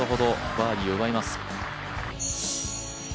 バーディーを奪います。